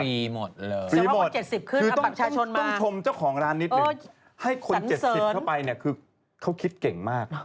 หมดเลยฟรีหมดคือต้องชมเจ้าของร้านนิดนึงให้คน๗๐เข้าไปเนี่ยคือเขาคิดเก่งมาก